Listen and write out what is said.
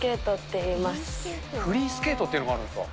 これ、フリースケートっていうのがあるんですか。